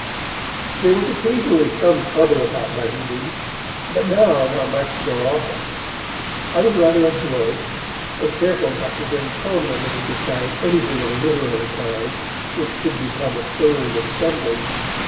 There was occasionally some trouble about my reading, but now not much nor often. I was rather adroit, and careful not to bring prominently into sight anything of a literary kind which could become a stone of stumbling.